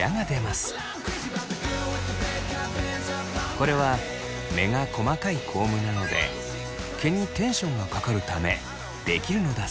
これは目が細かいコームなので毛にテンションがかかるためできるのだそう。